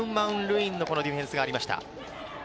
マウン・マウン・ルインのディフェンスがありました。